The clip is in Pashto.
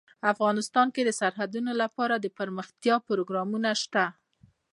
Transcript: افغانستان کې د سرحدونه لپاره دپرمختیا پروګرامونه شته.